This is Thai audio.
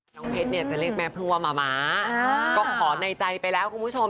น้องเพชรจะเรียกแม่เพลิงว่ามาม่าก็ขอในใจไปแล้วคุณผู้ชม